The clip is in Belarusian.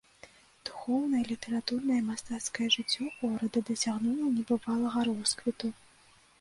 Духоўнае, літаратурнае і мастацкае жыццё горада дасягнула небывалага росквіту.